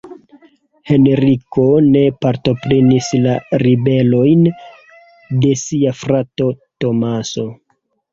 Henriko ne partoprenis la ribelojn de sia frato Tomaso.